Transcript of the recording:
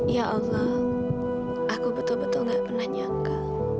ya allah aku betul betul gak pernah nyangka